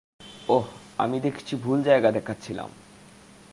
ওহ, আমি দেখছি ভুল জায়গা দেখাচ্ছিলাম।